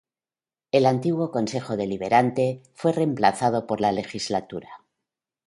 El antiguo Concejo Deliberante fue reemplazado por la Legislatura.